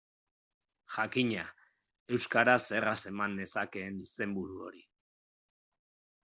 Jakina, euskaraz erraz eman nezakeen izenburu hori.